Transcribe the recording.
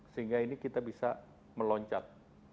sehingga ini kita bisa meloncat